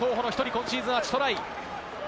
今シーズン８トライ。